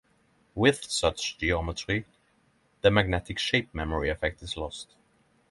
With such geometry the magnetic shape memory effect is lost.